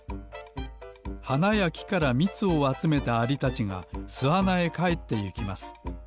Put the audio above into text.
はなやきからみつをあつめたアリたちがすあなへかえってゆきます。